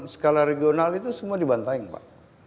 skala regional itu semua di bantaing pak